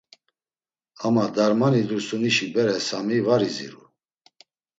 Ama Darmani Dursunişi bere Sami var iziru.